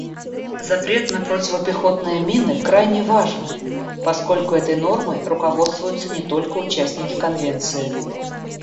Запрет на противопехотные мины крайне важен, поскольку этой нормой руководствуются не только участники Конвенции.